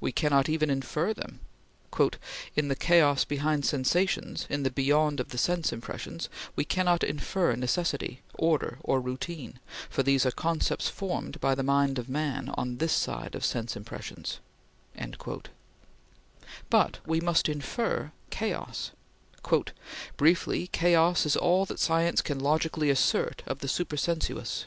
We cannot even infer them: "In the chaos behind sensations, in the 'beyond' of sense impressions, we cannot infer necessity, order or routine, for these are concepts formed by the mind of man on this side of sense impressions"; but we must infer chaos: "Briefly chaos is all that science can logically assert of the supersensuous."